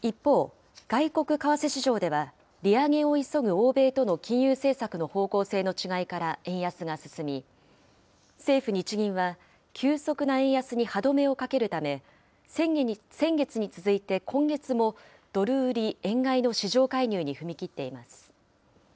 一方、外国為替市場では利上げを急ぐ欧米との金融政策の方向性の違いから円安が進み、政府・日銀は急速な円安に歯止めをかけるため、先月に続いて今月もドル売り円買いの市場介入に踏み切っています。